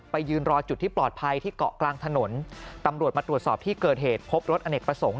ยืนรอจุดที่ปลอดภัยที่เกาะกลางถนนตำรวจมาตรวจสอบที่เกิดเหตุพบรถอเนกประสงค์